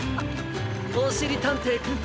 おしりたんていくん！